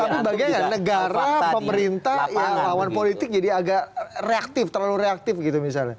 tapi bagaimana negara pemerintah ya lawan politik jadi agak reaktif terlalu reaktif gitu misalnya